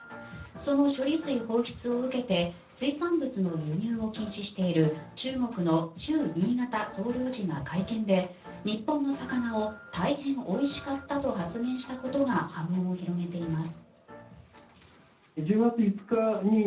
その処理水放出を受けて水産物の輸入を禁止している中国の駐新潟総領事が会見で日本の魚を、大変おいしかったと発言したことが波紋を広げています。